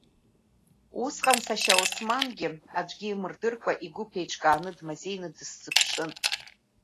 Усҟан сашьа Османгьы аӡәгьы имырдыркәа игәыԥ еиҿкааны дмазеины дысзыԥшын.